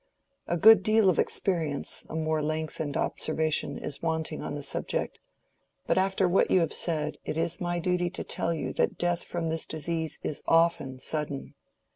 A good deal of experience—a more lengthened observation—is wanting on the subject. But after what you have said, it is my duty to tell you that death from this disease is often sudden.